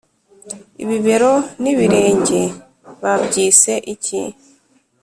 ibibero n’ibirenge babyise iki?